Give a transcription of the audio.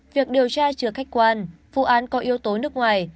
việc điều tra chưa khách quan vụ án có yếu tố nước ngoài